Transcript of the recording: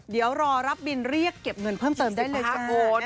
เดี๋ยวรอรับบินเรียกเก็บเงินเพิ่มเติมได้เลยค่ะคุณ